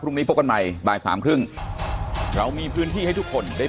พรุ่งนี้พบกับกันใหม่บาย๓๓๐